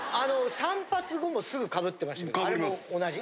散髪後もすぐ被ってましたけどあれも同じ？